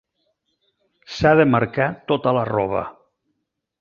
S'ha de marcar tota la roba.